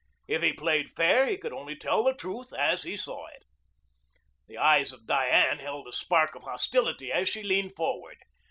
If he played fair, he could only tell the truth as he saw it. The eyes of Diane held a spark of hostility as she leaned forward.